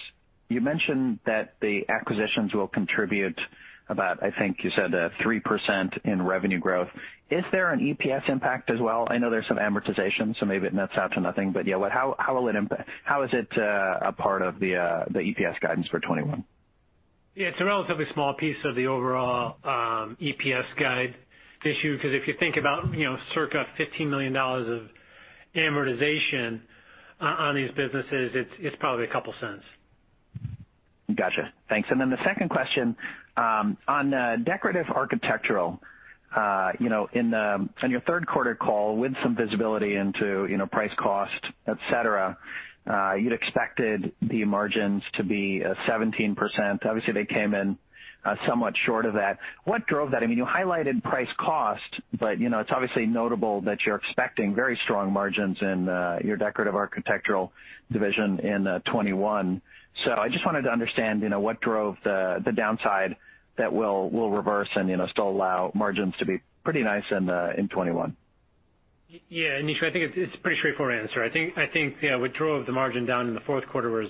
You mentioned that the acquisitions will contribute about, I think you said 3% in revenue growth. Is there an EPS impact as well? I know there's some amortization, so maybe it nets out to nothing, but how is it a part of the EPS guidance for 2021? It's a relatively small piece of the overall EPS guide Nishu, because if you think about circa $15 million of amortization on these businesses, it's probably $0.02. Got you. Thanks. The second question, on Decorative Architectural. On your third quarter call with some visibility into price cost, et cetera, you'd expected the margins to be 17%. Obviously, they came in somewhat short of that. What drove that? You highlighted price cost, but it's obviously notable that you're expecting very strong margins in your Decorative Architectural division in 2021. I just wanted to understand what drove the downside that will reverse and still allow margins to be pretty nice in 2021. Yeah. Nishu, I think it's a pretty straightforward answer. I think what drove the margin down in the fourth quarter was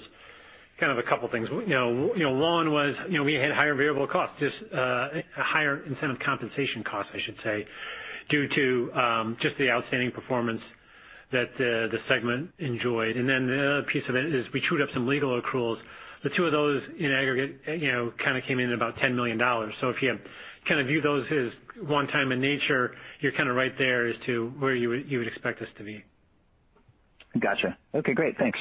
kind of a couple things. One was we had higher variable costs, just a higher incentive compensation cost, I should say, due to just the outstanding performance that the segment enjoyed. The other piece of it is we trued up some legal accruals. The two of those in aggregate kind of came in at about $10 million. If you kind of view those as one time in nature, you're kind of right there as to where you would expect us to be. Got you. Okay, great. Thanks.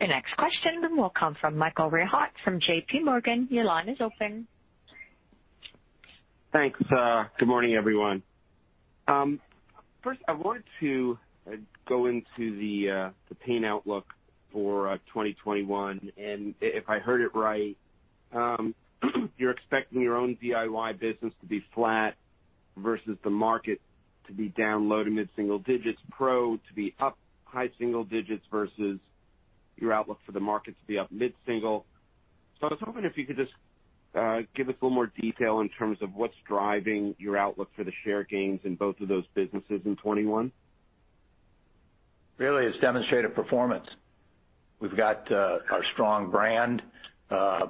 The next question will come from Michael Rehaut from JPMorgan. Your line is open. Thanks. Good morning, everyone. First, I wanted to go into the paint outlook for 2021, and if I heard it right, you're expecting your own DIY business to be flat versus the market to be down low to mid-single digits, pro to be up high single digits versus your outlook for the market to be up mid-single. I was hoping if you could just give us a little more detail in terms of what's driving your outlook for the share gains in both of those businesses in 2021. It's demonstrated performance. We've got our strong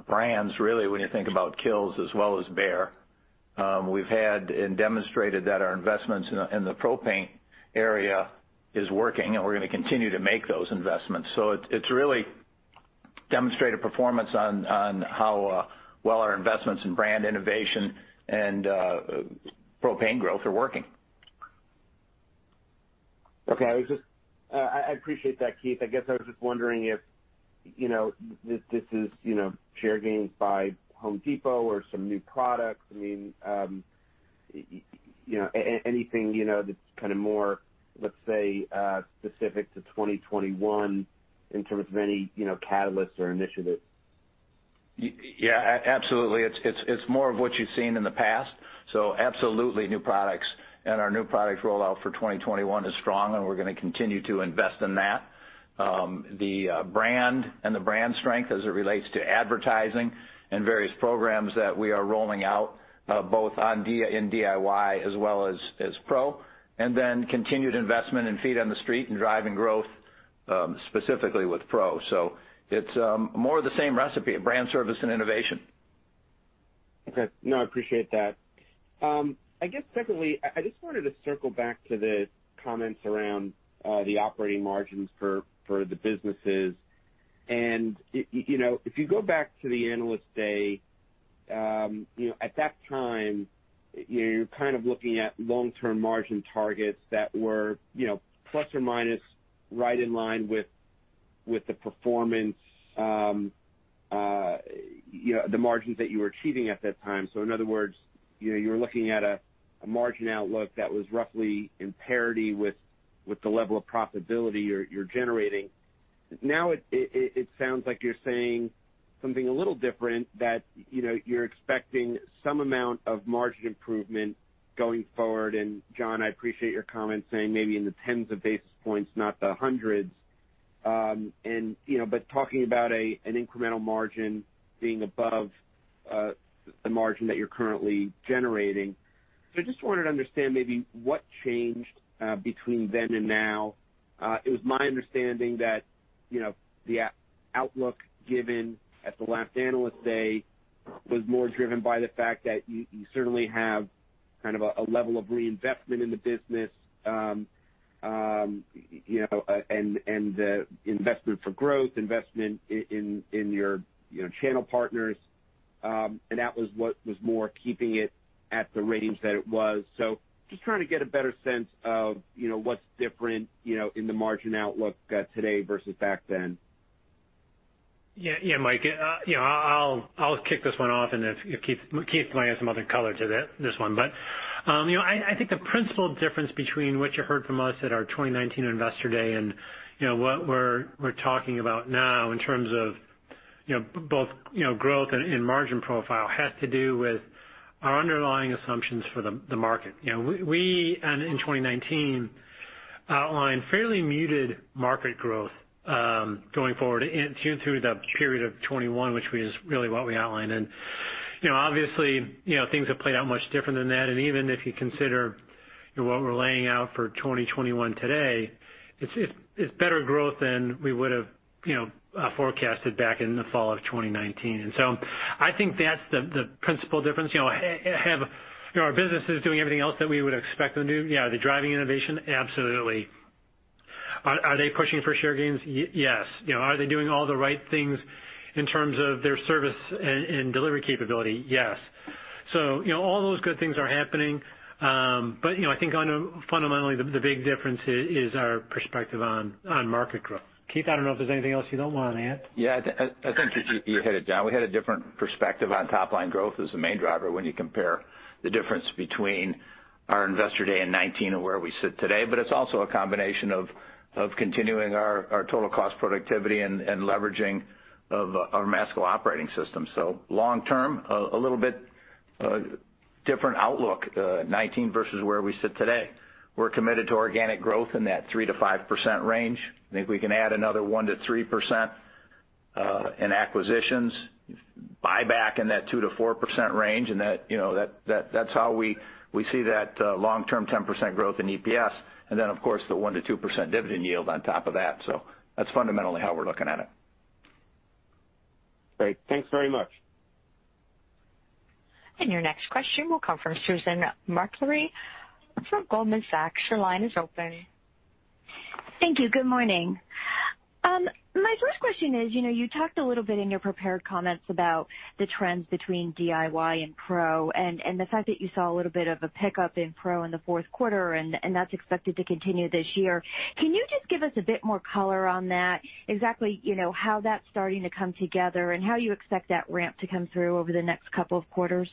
brands really when you think about KILZ as well as BEHR. We've had and demonstrated that our investments in the pro paint area is working, and we're going to continue to make those investments. It's really demonstrated performance on how well our investments in brand innovation and pro paint growth are working. Okay. I appreciate that, Keith. I guess I was just wondering if this is share gains by Home Depot or some new products. Anything that's kind of more, let's say, specific to 2021 in terms of any catalysts or initiatives. Yeah, absolutely. It's more of what you've seen in the past. Absolutely new products and our new product rollout for 2021 is strong, and we're going to continue to invest in that. The brand and the brand strength as it relates to advertising and various programs that we are rolling out, both in DIY as well as pro, and then continued investment in feet on the street and driving growth, specifically with pro. It's more of the same recipe of brand service and innovation. Okay. No, I appreciate that. I guess secondly, I just wanted to circle back to the comments around the operating margins for the businesses. If you go back to the Analyst Day, at that time, you were kind of looking at long-term margin targets that were plus or minus right in line with the performance, the margins that you were achieving at that time. In other words, you were looking at a margin outlook that was roughly in parity with the level of profitability you're generating. Now it sounds like you're saying something a little different, that you're expecting some amount of margin improvement going forward. John, I appreciate your comment saying maybe in the 10s of basis points, not the 100s. Talking about an incremental margin being above the margin that you're currently generating. I just wanted to understand maybe what changed between then and now. It was my understanding that the outlook given at the last Analyst Day was more driven by the fact that you certainly have kind of a level of reinvestment in the business, and the investment for growth, investment in your channel partners. That was what was more keeping it at the ratings that it was. Just trying to get a better sense of what's different in the margin outlook today versus back then. Yeah. Mike, I'll kick this one off. If Keith might add some other color to this one. I think the principal difference between what you heard from us at our 2019 Investor Day and what we're talking about now in terms of both growth and margin profile has to do with our underlying assumptions for the market. We, in 2019, outlined fairly muted market growth going forward through the period of 2021, which is really what we outlined. Obviously, things have played out much different than that. Even if you consider what we're laying out for 2021 today, it's better growth than we would've forecasted back in the fall of 2019. I think that's the principal difference. Our business is doing everything else that we would expect them to do. Yeah, they're driving innovation? Absolutely. Are they pushing for share gains? Yes. Are they doing all the right things in terms of their service and delivery capability? Yes. All those good things are happening. I think fundamentally, the big difference is our perspective on market growth. Keith, I don't know if there's anything else you don't want to add. I think that you hit it, John. We had a different perspective on top line growth as the main driver when you compare the difference between our Investor Day in 2019 to where we sit today. It's also a combination of continuing our total cost productivity and leveraging of our Masco Operating System. Long term, a little bit different outlook, 2019 versus where we sit today. We're committed to organic growth in that 3%-5% range. I think we can add another 1%-3% in acquisitions, buyback in that 2%-4% range, and that's how we see that long-term 10% growth in EPS. Then, of course, the 1%-2% dividend yield on top of that. That's fundamentally how we're looking at it. Great. Thanks very much. Your next question will come from Susan Maklari from Goldman Sachs. Your line is open. Thank you. Good morning. My first question is, you talked a little bit in your prepared comments about the trends between DIY and pro, and the fact that you saw a little bit of a pickup in pro in the fourth quarter, and that's expected to continue this year. Can you just give us a bit more color on that? Exactly how that's starting to come together, and how you expect that ramp to come through over the next couple of quarters?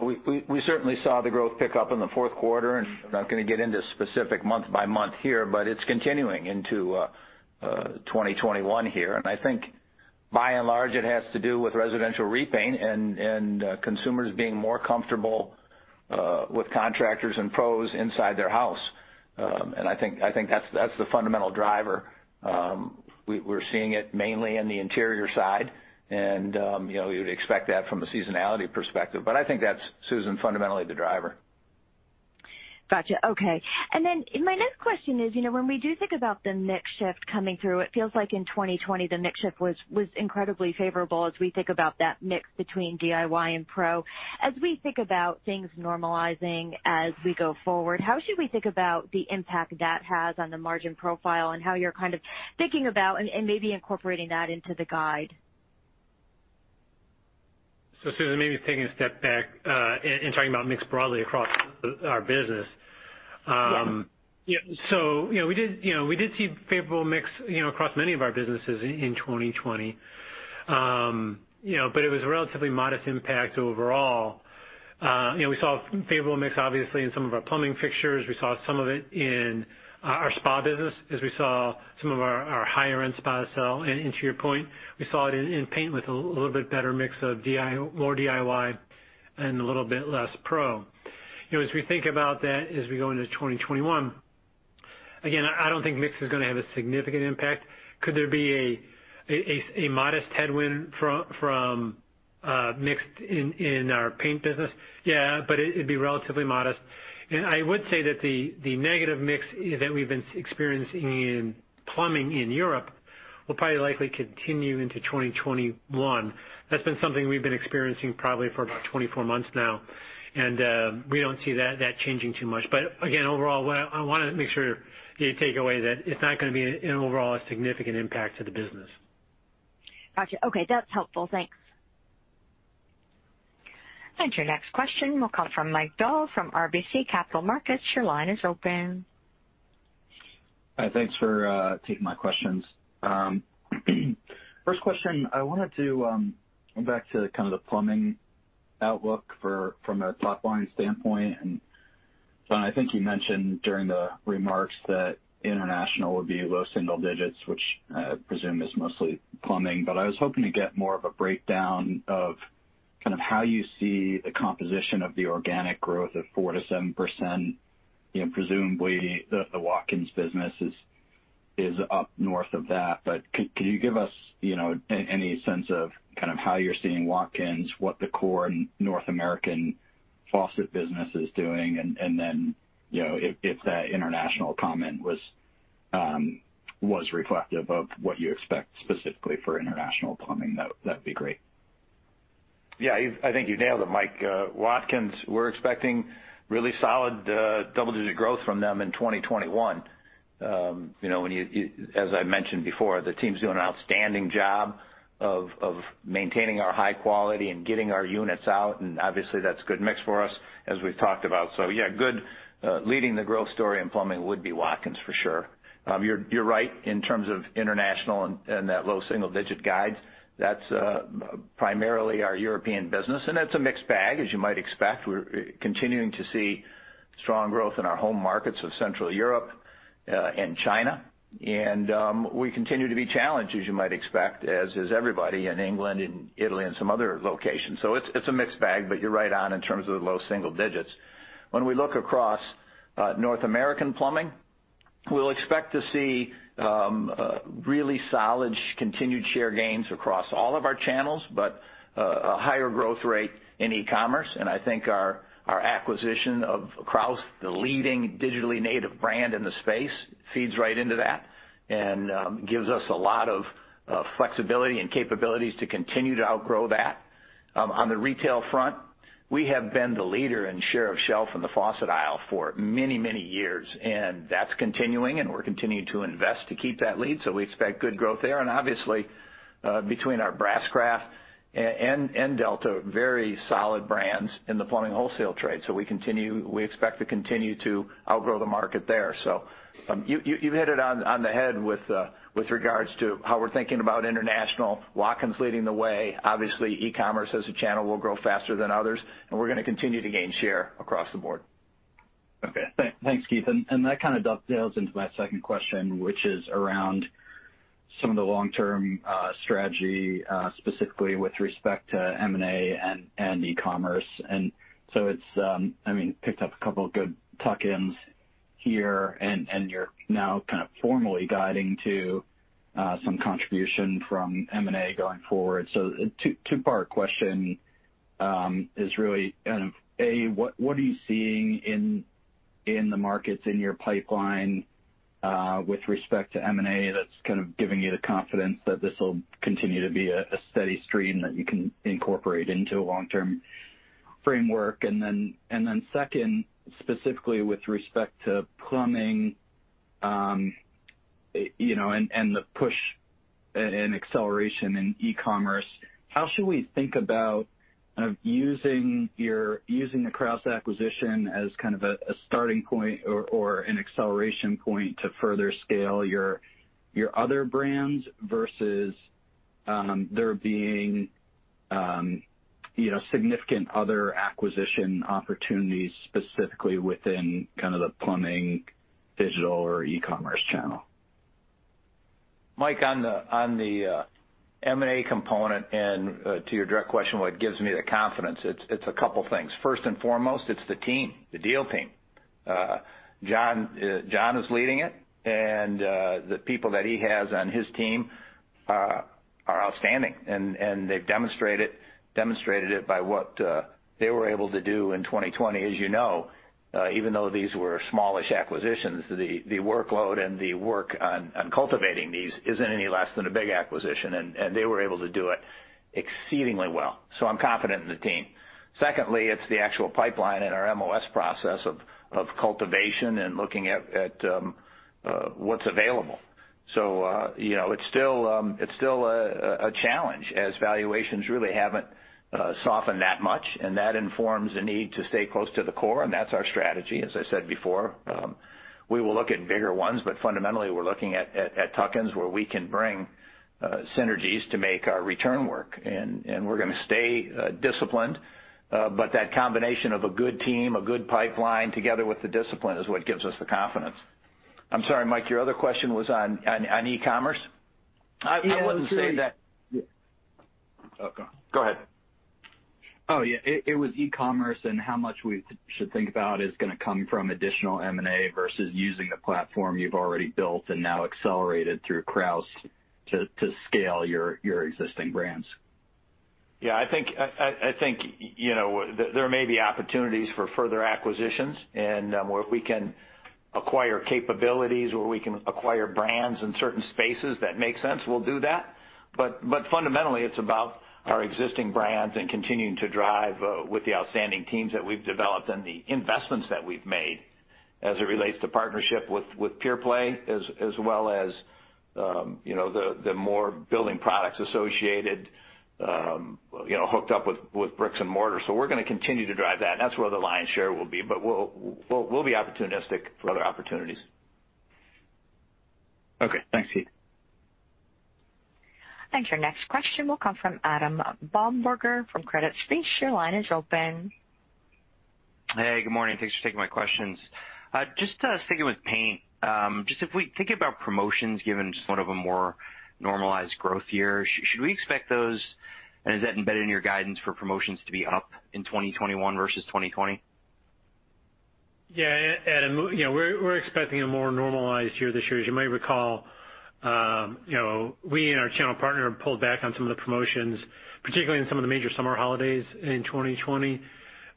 We certainly saw the growth pick up in the fourth quarter. I'm not going to get into specific month by month here, but it's continuing into 2021 here. I think by and large, it has to do with residential repainting and consumers being more comfortable with contractors and pros inside their house. I think that's the fundamental driver. We're seeing it mainly in the interior side. You'd expect that from a seasonality perspective, but I think that's, Susan, fundamentally the driver. Got you. Okay. My next question is, when we do think about the mix shift coming through, it feels like in 2020, the mix shift was incredibly favorable as we think about that mix between DIY and pro. As we think about things normalizing as we go forward, how should we think about the impact that has on the margin profile and how you're kind of thinking about and maybe incorporating that into the guide? Susan, maybe taking a step back, and talking about mix broadly across our business. Yeah. We did see favorable mix across many of our businesses in 2020. It was a relatively modest impact overall. We saw favorable mix, obviously, in some of our plumbing fixtures. We saw some of it in our spa business as we saw some of our higher-end spas sell. To your point, we saw it in paint with a little bit better mix of more DIY and a little bit less pro. As we think about that as we go into 2021, again, I don't think mix is going to have a significant impact. Could there be a modest headwind from mix in our paint business? Yeah. It'd be relatively modest. I would say that the negative mix that we've been experiencing in plumbing in Europe will probably likely continue into 2021. That's been something we've been experiencing probably for about 24 months now, and we don't see that changing too much. Again, overall, what I want to make sure you take away that it's not going to be an overall significant impact to the business. Got you. Okay. That's helpful. Thanks. Your next question will come from Michael Dahl from RBC Capital Markets. Your line is open. Hi. Thanks for taking my questions. First question, I wanted to come back to kind of the plumbing outlook from a top-line standpoint. John, I think you mentioned during the remarks that international would be low single digits, which I presume is mostly plumbing. I was hoping to get more of a breakdown of kind of how you see the composition of the organic growth of 4%-7%. Presumably, the Watkins business is up north of that. Could you give us any sense of kind of how you're seeing Watkins, what the core North American faucet business is doing? If that international comment was reflective of what you expect specifically for international plumbing, that'd be great. I think you nailed it, Michael. Watkins, we're expecting really solid double-digit growth from them in 2021. As I mentioned before, the team's doing an outstanding job of maintaining our high quality and getting our units out, and obviously that's good mix for us as we've talked about. Yeah, leading the growth story in plumbing would be Watkins, for sure. You're right in terms of international and that low single-digit guide. That's primarily our European business, and that's a mixed bag, as you might expect. We're continuing to see strong growth in our home markets of Central Europe and China. We continue to be challenged, as you might expect, as is everybody in England and Italy and some other locations. It's a mixed bag, but you're right on in terms of the low single digits. When we look across North American plumbing, we'll expect to see really solid continued share gains across all of our channels, but a higher growth rate in e-commerce. I think our acquisition of Kraus, the leading digitally native brand in the space, feeds right into that and gives us a lot of flexibility and capabilities to continue to outgrow that. On the retail front, we have been the leader in share of shelf in the faucet aisle for many years, and that's continuing, and we're continuing to invest to keep that lead. We expect good growth there. Obviously, between our BrassCraft and Delta, very solid brands in the plumbing wholesale trade. We expect to continue to outgrow the market there. You hit it on the head with regards to how we're thinking about international. Watkins leading the way. Obviously, e-commerce as a channel will grow faster than others, and we're going to continue to gain share across the board. Okay. Thanks, Keith. That kind of dovetails into my second question, which is around some of the long-term strategy, specifically with respect to M&A and e-commerce. It's picked up a couple of good tuck-ins here, and you're now kind of formally guiding to some contribution from M&A going forward. Two-part question is really, A, what are you seeing in the markets in your pipeline with respect to M&A that's kind of giving you the confidence that this'll continue to be a steady stream that you can incorporate into a long-term framework? Second, specifically with respect to plumbing, and the push and acceleration in e-commerce, how should we think about using the Kraus acquisition as kind of a starting point or an acceleration point to further scale your other brands versus there being significant other acquisition opportunities specifically within kind of the plumbing, digital, or e-commerce channel? Mike, on the M&A component and to your direct question, what gives me the confidence? It's a couple things. First and foremost, it's the team, the deal team. John is leading it, and the people that he has on his team are outstanding, and they've demonstrated it by what they were able to do in 2020. As you know, even though these were smallish acquisitions, the workload and the work on cultivating these isn't any less than a big acquisition. They were able to do it exceedingly well. I'm confident in the team. Secondly, it's the actual pipeline and our MOS process of cultivation and looking at what's available. It's still a challenge as valuations really haven't softened that much, and that informs a need to stay close to the core, and that's our strategy. As I said before, we will look at bigger ones, but fundamentally, we're looking at tuck-ins where we can bring synergies to make our return work, and we're going to stay disciplined. That combination of a good team, a good pipeline, together with the discipline is what gives us the confidence. I'm sorry, Mike, your other question was on e-commerce? Yeah. Oh, go ahead. Oh, yeah. It was e-commerce and how much we should think about is going to come from additional M&A versus using the platform you've already built and now accelerated through Kraus to scale your existing brands. Yeah. I think there may be opportunities for further acquisitions. Where we can acquire capabilities, where we can acquire brands in certain spaces that make sense, we'll do that. Fundamentally, it's about our existing brands and continuing to drive with the outstanding teams that we've developed and the investments that we've made as it relates to partnership with pure play, as well as the more building products associated, hooked up with bricks and mortar. We're going to continue to drive that, and that's where the lion's share will be. We'll be opportunistic for other opportunities. Okay. Thanks, Keith. Thanks. Your next question will come from Adam Baumgarten from Credit Suisse. Your line is open. Hey. Good morning. Thanks for taking my questions. Just sticking with paint. Just if we think about promotions given sort of a more normalized growth year, should we expect those, and is that embedded in your guidance for promotions to be up in 2021 versus 2020? Yeah. Adam, we're expecting a more normalized year this year. As you might recall, we and our channel partner pulled back on some of the promotions, particularly in some of the major summer holidays in 2020,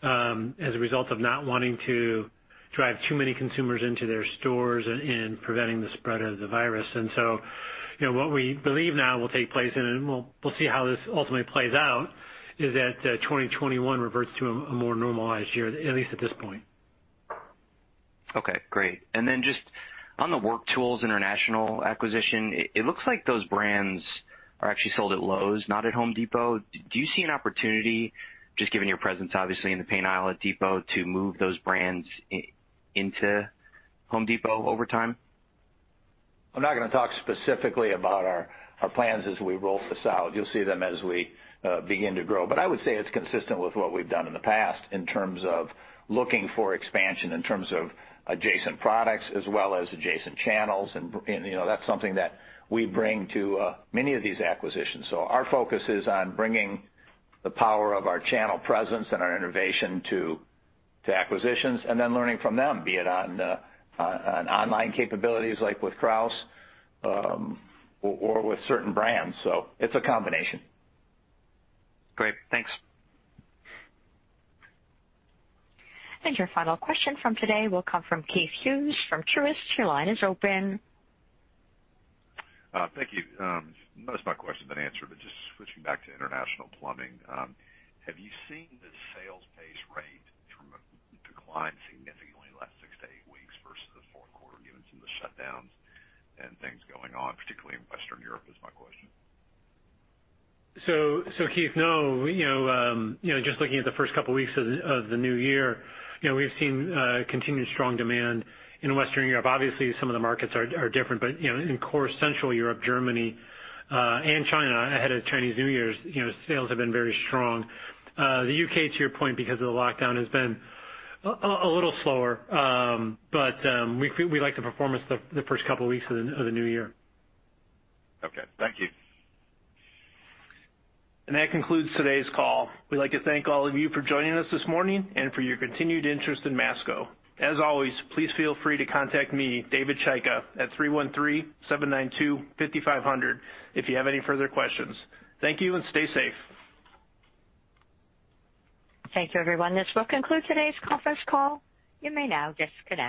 as a result of not wanting to drive too many consumers into their stores and preventing the spread of the virus. What we believe now will take place, and we'll see how this ultimately plays out, is that 2021 reverts to a more normalized year, at least at this point. Okay, great. Just on the Work Tools International acquisition, it looks like those brands are actually sold at Lowe's, not at Home Depot. Do you see an opportunity, just given your presence, obviously, in the paint aisle at Depot, to move those brands into Home Depot over time? I'm not going to talk specifically about our plans as we roll this out. You'll see them as we begin to grow. I would say it's consistent with what we've done in the past in terms of looking for expansion, in terms of adjacent products as well as adjacent channels. That's something that we bring to many of these acquisitions. Our focus is on bringing the power of our channel presence and our innovation to acquisitions and then learning from them, be it on online capabilities like with Kraus, or with certain brands. It's a combination. Great, thanks. Your final question from today will come from Keith Hughes from Truist. Your line is open. Thank you. Most of my questions have been answered, but just switching back to International Plumbing, have you seen the sales pace rate decline significantly in the last six to eight weeks versus the fourth quarter, given some of the shutdowns and things going on, particularly in Western Europe, is my question. Keith, no. Just looking at the first couple of weeks of the new year, we've seen continued strong demand in Western Europe. Obviously, some of the markets are different. In core Central Europe, Germany, and China, ahead of Chinese New Year's, sales have been very strong. The U.K., to your point, because of the lockdown, has been a little slower. We like the performance the first couple of weeks of the new year. Okay. Thank you. That concludes today's call. We'd like to thank all of you for joining us this morning and for your continued interest in Masco. As always, please feel free to contact me, David Chaika, at 313-792-5500 if you have any further questions. Thank you, and stay safe. Thank you, everyone. This will conclude today's conference call. You may now disconnect.